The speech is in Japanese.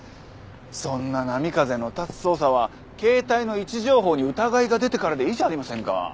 そんな波風の立つ捜査は携帯の位置情報に疑いが出てからでいいじゃありませんか。